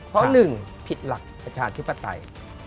เพราะ๑ผิดหลักประชาธิปไตย